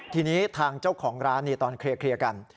ทีนี้ทางเจ้าของร้านตอนเคลียร์กัน